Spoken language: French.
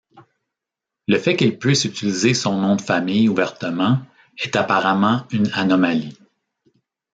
Le fait qu'il puisse utiliser son nom de famille ouvertement est apparemment une anomalie.